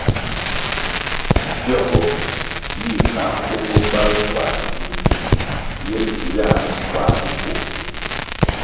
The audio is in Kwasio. Bviogo yih kah nkwongo bal buā mih ye dzi yā minkuā ri bvuo.